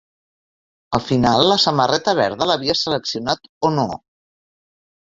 Al final, la samarreta verda l'havia seleccionat o no?